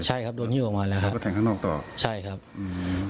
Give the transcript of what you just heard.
ใช่ครับโดนหิ้วออกมาแล้วครับรถแต่งข้างนอกต่อใช่ครับอืม